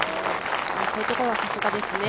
こういうところはさすがですね。